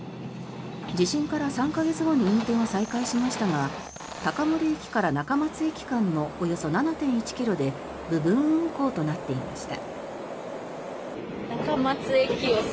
地震から３か月後に運転を再開しましたが高森駅から中松駅間のおよそ７．１ｋｍで部分運行となっていました。